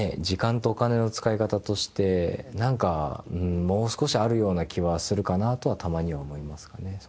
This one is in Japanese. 時間とお金の使い方として何かもう少しあるような気はするかなとはたまには思いますかね